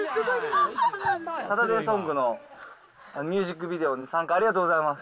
サタデーソングのミュージックビデオに参加、ありがとうございます。